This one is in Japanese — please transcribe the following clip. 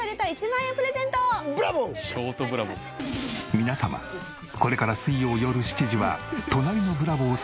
皆様これから水曜よる７時は『隣のブラボー様』